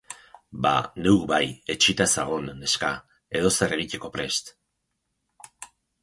Ba, neuk bai, etsita zagon, neska, edozer egiteko prest.